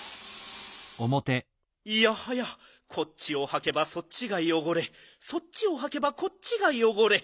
いやはやこっちをはけばそっちがよごれそっちをはけばこっちがよごれ。